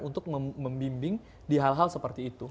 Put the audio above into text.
untuk membimbing di hal hal seperti itu